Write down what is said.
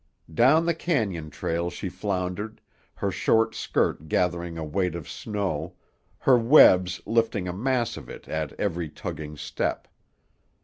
Down the cañon trail she floundered, her short skirt gathering a weight of snow, her webs lifting a mass of it at every tugging step.